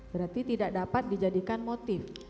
berarti tidak dapat dijadikan motif